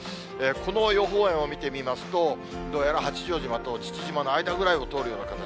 この予報円を見てみますと、どうやら八丈島と父島の間ぐらいを通るような形。